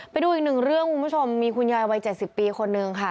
ไปดูอีกหนึ่งเรื่องคุณผู้ชมมีคุณยายวัย๗๐ปีคนนึงค่ะ